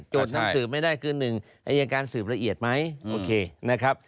นำสืบไม่ได้คือ๑อายการสืบละเอียดไหมโอเคนะครับ